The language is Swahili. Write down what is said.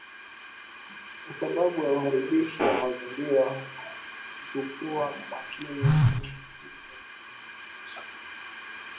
kwa sababu ya uharibifu wa mazingira hatukuwa makini huko nyuma